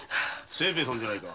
清兵衛さんじゃないか。